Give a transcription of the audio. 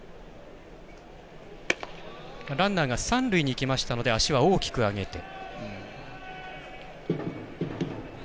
ランナーが三塁に行きましたので足は大きく上げて。